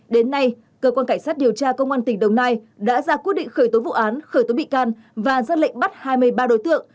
đến nay cơ quan cảnh sát điều tra công an tỉnh đồng nai đã ra quyết định khởi tố vụ án khởi tố bị can và ra lệnh bắt hai mươi ba đối tượng